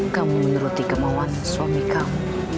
kamu menuruti kemauan suami kamu